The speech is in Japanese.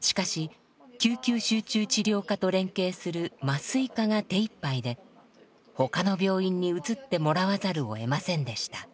しかし救急集中治療科と連携する麻酔科が手いっぱいで他の病院に移ってもらわざるをえませんでした。